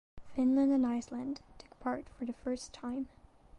Finland and Iceland took part for the first time.